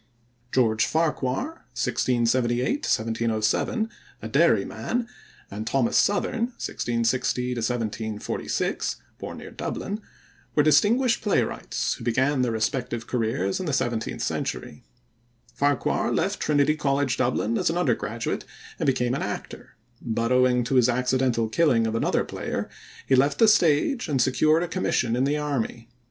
George Farquhar (1678 1707), a Derry man, and Thomas Southerne (1660 1746), born near Dublin, were distinguished playwrights, who began their respective careers in the seventeenth century. Farquhar left Trinity College, Dublin, as an undergraduate and became an actor, but owing to his accidental killing of another player he left the stage and secured a commission in the army.